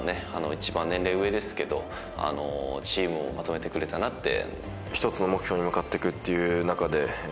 一番年齢上ですけどチームをまとめてくれたなって。